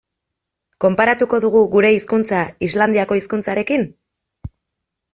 Konparatuko dugu gure hizkuntza Islandiako hizkuntzarekin?